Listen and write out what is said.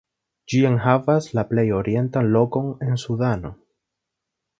Ĝi enhavas la plej orientan lokon en Sudano.